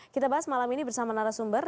kita bahas malam ini bersama narasumber